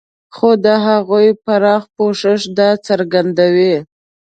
خو د هغو پراخ پوښښ دا څرګندوي.